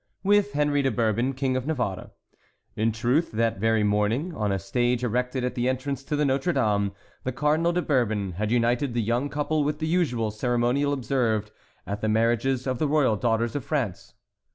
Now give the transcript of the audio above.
with Henry de Bourbon, King of Navarre. In truth, that very morning, on a stage erected at the entrance to Notre Dame, the Cardinal de Bourbon had united the young couple with the usual ceremonial observed at the marriages of the royal daughters of France.